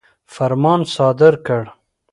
فرمان صادر کړ.